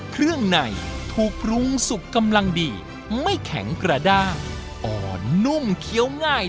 เครื่องในถูกปรุงสุกกำลังดีไม่แข็งกระด้างอ่อนนุ่มเคี้ยวง่าย